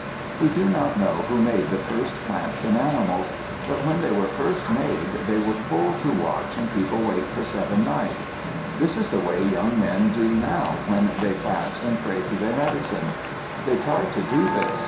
We do not know who made the first plants and animals. But when they were first made, they were told to watch and keep awake for seven nights. This is the way young men do now when they fast and pray to their medicine. They tried to do this.